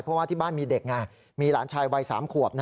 เพราะว่าที่บ้านมีเด็กไงมีหลานชายวัย๓ขวบ